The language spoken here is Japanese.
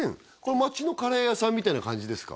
街のカレー屋さんみたいな感じですか？